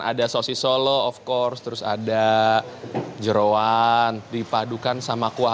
ada sosis solo of course terus ada jerawan dipadukan sama kuah